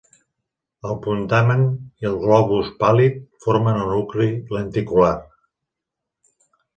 El putamen i el globus pàl·lid formen el nucli lenticular.